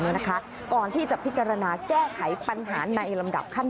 เนี้ยนะคะก่อนที่จะพิการณาแก้ไขปัญหาในลำดับขั้น